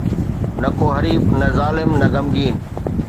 نه ڪو حريف، نه ظالم، نه غمگين